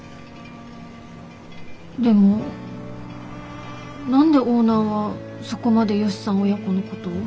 でも何でオーナーはそこまでヨシさん親子のことを？